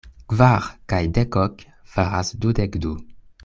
Kvar kaj dek ok faras dudek du.